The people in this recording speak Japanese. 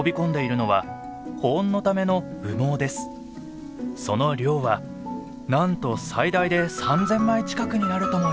その量はなんと最大で３，０００枚近くになるともいわれています。